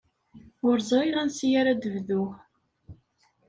Ur ẓriɣ ansi ara d-bduɣ.